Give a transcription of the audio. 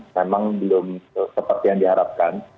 memang belum seperti yang diharapkan